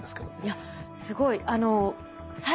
いやすごい。